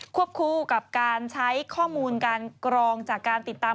วบคู่กับการใช้ข้อมูลการกรองจากการติดตาม